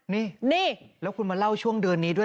นี่นี่แล้วคุณมาเล่าช่วงเดือนนี้ด้วย